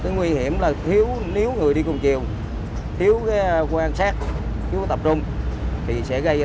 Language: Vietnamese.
nếu người đi cùng chiều thiếu quan sát thiếu tập trung